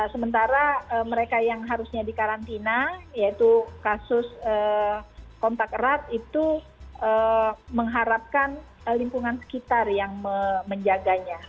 sementara mereka yang harusnya di karantina yaitu kasus kontak erat itu mengharapkan lingkungan sekitar yang menjaganya